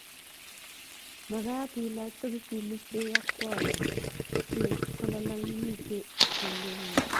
mekat ilach sokisinik che yokwoen si ku lolong' itun kelyekuk